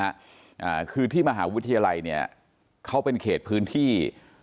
อ่าคือที่มหาวิทยาลัยเนี่ยเขาเป็นเขตพื้นที่